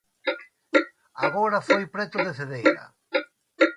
Agora foi preto de Cedeira.